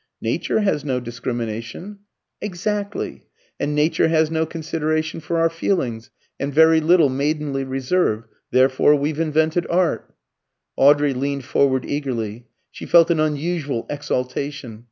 "Nature has no discrimination." "Exactly. And Nature has no consideration for our feelings, and very little maidenly reserve. Therefore we've invented Art." Audrey leaned forward eagerly. She felt an unusual exaltation.